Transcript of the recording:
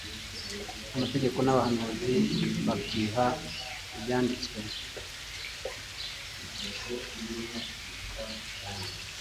Amategeko nabahanuzi, bahakiha ibyanditwe